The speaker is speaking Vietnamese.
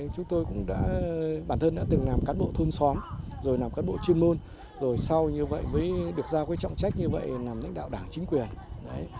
chúng tôi cũng đã bản thân đã từng làm cán bộ thôn xóm rồi làm cán bộ chuyên môn rồi sau như vậy mới được giao cái trọng trách như vậy làm lãnh đạo đảng chính quyền